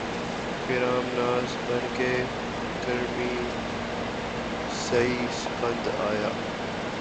خرام ناز برق خرمن سعی سپند آیا